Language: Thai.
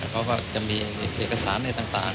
เขาก็จะมีเอกสารอะไรต่าง